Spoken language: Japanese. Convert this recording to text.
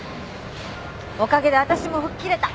おかげで私も吹っ切れた。